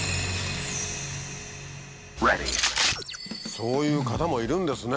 そういう方もいるんですね。